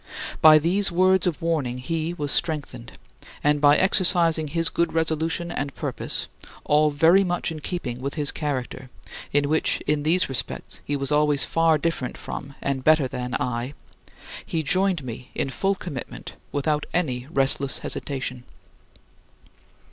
By these words of warning he was strengthened, and by exercising his good resolution and purpose all very much in keeping with his character, in which, in these respects, he was always far different from and better than I he joined me in full commitment without any restless hesitation.